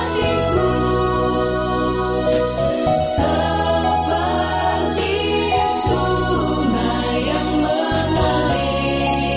seperti sungai yang menari